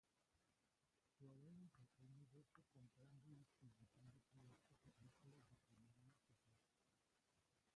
Su abuelo empezó el negocio comprando y distribuyendo productos agrícolas de primera necesidad.